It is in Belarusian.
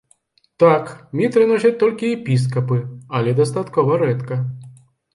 Так, мітры носяць толькі епіскапы, але дастаткова рэдка.